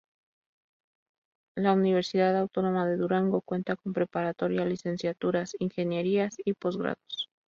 La Universidad Autónoma de Durango cuenta con preparatoria, licenciaturas, ingenierías y posgrados.